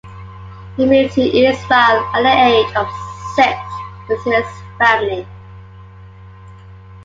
He moved to Israel at the age of six with his family.